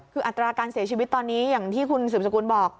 คืออัตราการเสียชีวิตตอนนี้อย่างที่คุณสืบสกุลบอก